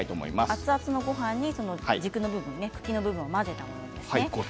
熱々のごはんに茎の部分、軸の部分を混ぜてあります。